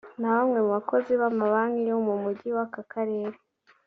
na bamwe mu bakozi b’Amabanki yo mu mujyi w’aka karere